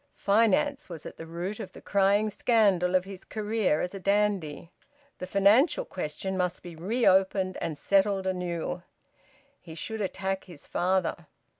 Finance was at the root of the crying scandal of his career as a dandy. The financial question must be reopened and settled anew. He should attack his father.